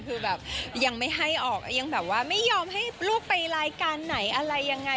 คือแบบยังไม่ให้ออกยังแบบว่าไม่ยอมให้ลูกไปรายการไหนอะไรยังไง